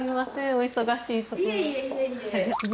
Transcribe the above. お忙しいところ。